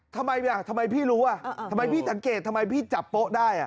ทำไมพี่รู้ทำไมพี่ดังเกตทำไมพี่จับโป๊ะได้